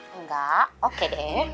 enggak oke deh